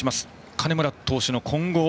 金村投手の今後。